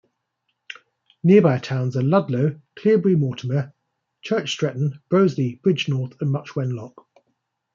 Nearby towns are Ludlow, Cleobury Mortimer, Church Stretton, Broseley, Bridgnorth and Much Wenlock.